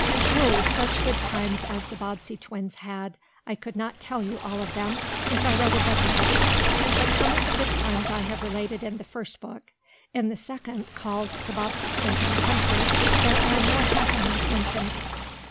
Oh! such good times as the Bobbsey twins had! I could not tell you all of them, if I wrote a dozen books. But some of the good times I have related in the first book. In the second, called "The Bobbsey Twins in the Country," there are more happenings mentioned.